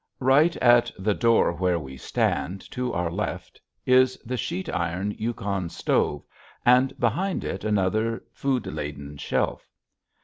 Right at the door where we stand, to our left, is the sheet iron Yukon stove and behind it another food laden shelf.